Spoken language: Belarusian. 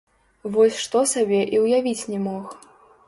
Вось што сабе і ўявіць не мог.